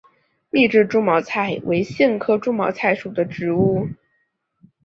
密枝猪毛菜为苋科猪毛菜属的植物。